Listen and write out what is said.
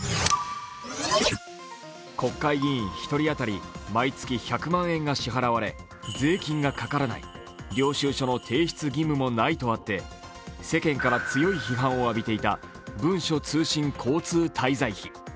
国会議員１人当たり毎月１００万円が支払われ税金がかからない、領収書の提出義務もないとあって世間から強い批判を浴びていた文書通信交通滞在費。